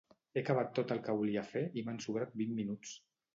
He acabat tot el que volia fer i m'han sobrat vint minuts